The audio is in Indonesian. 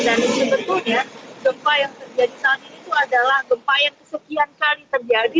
sebetulnya gempa yang terjadi saat ini itu adalah gempa yang kesekian kali terjadi